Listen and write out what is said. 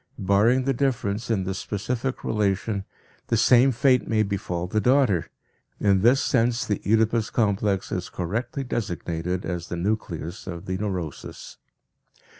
Barring the difference in the specific relation, the same fate may befall the daughter. In this sense the Oedipus complex is correctly designated as the nucleus of the neurosis.